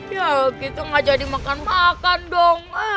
yaa kita gak jadi makan makan dong